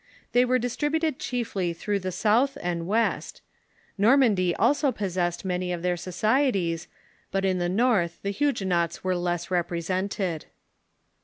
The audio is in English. They were distributed chiefly through the south and west. Normandy also possessed many of their societies, but in the north the Huguenots Avere less repre sented.